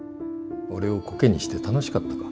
俺をこけにして楽しかったか？